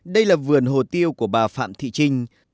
đây là vườn hồ tiêu của bà phạm thị trinh